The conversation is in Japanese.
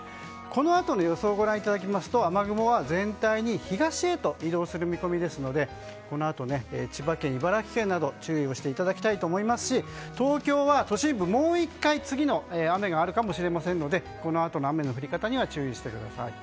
このあとの予想をご覧いただきますと雨雲は全体に東へと移動する見込みですのでこのあと千葉県、茨城県など注意をしていただきたいと思いますし東京は都心部、もう１回次の雨があるかもしれないのでこのあとの雨の降り方には注意してください。